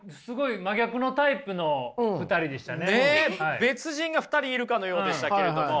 別人が２人いるかのようでしたけれども。